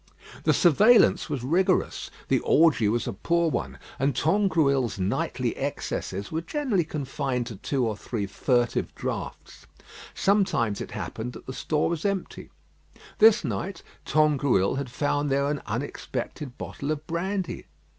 The surveillance was rigorous, the orgie was a poor one, and Tangrouille's nightly excesses were generally confined to two or three furtive draughts. Sometimes it happened that the store was empty. This night Tangrouille had found there an unexpected bottle of brandy.